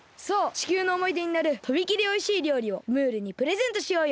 地球のおもいでになるとびきりおいしいりょうりをムールにプレゼントしようよ。